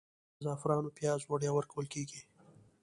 د زعفرانو پیاز وړیا ورکول کیږي؟